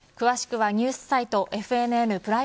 詳しくはニュースサイトＦＮＮプライム